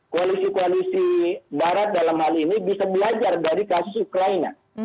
koalisi koalisi barat dalam hal ini bisa belajar dari kasus ukraina